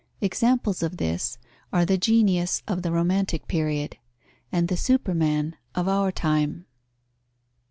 Examples of this are the genius of the romantic period and the superman of our time.